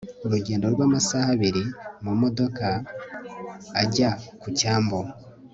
urugendo rw amasaha abiri mu modoka ajya ku cyambu